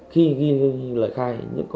khi ghi lời khai